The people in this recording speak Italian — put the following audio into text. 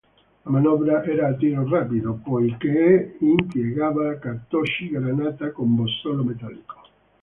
La manovra era a tiro rapido, poiché impiegava cartocci-granata con bossolo metallico.